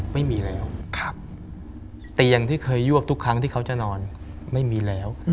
ไม่มีแล้วเตียงที่เคยยวกทุกครั้งที่เขาจะนอนไม่มีแล้ว